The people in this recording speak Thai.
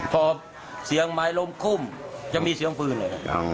พอเสียงไม้ล้มคุ่มจะมีเสียงปืนเลย